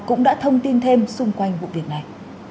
cũng đã thông tin thêm xung quanh vụ việc này